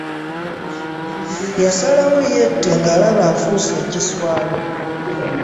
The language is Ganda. Yasalawo yette nga alaba afuuse ekiswalo .